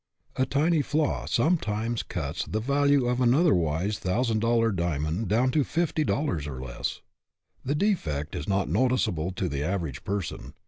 A tiny flaw sometimes cuts the value of an otherwise thousand dollar diamond down to fifty dollars or less. The defect is not notice able to the average person.